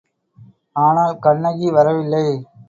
ஆனால், கண்ணகி வரவில்லை.